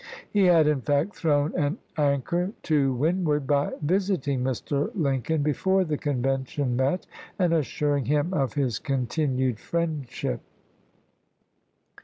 He had, in fact, thrown an anchor to windward by visiting Mr. Lincoln before the Con vention met and assuring him of his continued friendship.